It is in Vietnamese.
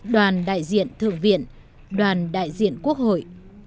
đoàn đại diện thượng viện đoàn đại diện quốc hội